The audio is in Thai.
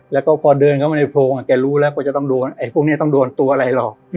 แล้วก็พอเดินเข้ามาในโพงแกรู้แล้วพวกนี้ต้องโดนตัวอะไรหรอก